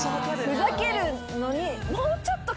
ふざけるのに。